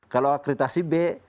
kalau akreditasi b